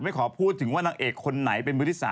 ขอพูดถึงว่านางเอกคนไหนเป็นมือที่๓